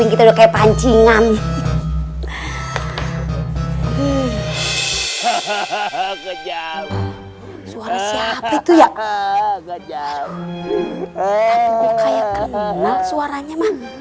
kejauh banget semuanya